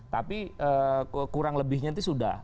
tapi kurang lebihnya itu sudah